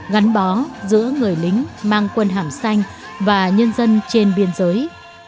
gắn bó giữa người lính mang quân hàm xanh và nhân dân trên biên giới